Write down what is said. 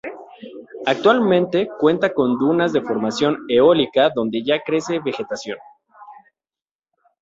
Actualmente cuenta con dunas de formación eólica donde ya crece vegetación.